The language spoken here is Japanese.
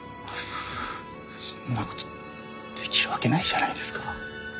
そんなことできるわけないじゃないですか。